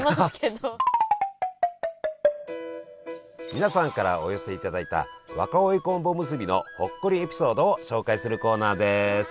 皆さんからお寄せいただいた若生昆布おむすびのほっこりエピソードを紹介するコーナーです。